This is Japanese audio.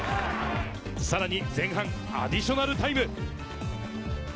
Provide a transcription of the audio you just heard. さらに前半アディショナルタイム。